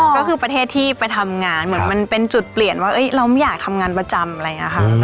ก็คือประเทศที่ไปทำงานเหมือนมันเป็นจุดเปลี่ยนว่าเราไม่อยากทำงานประจำอะไรอย่างนี้ค่ะ